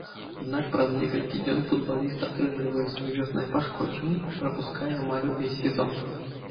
Аднак праз некалькі дзён футбаліст атрымлівае сур'ёзнае пашкоджанне і прапускае амаль увесь сезон.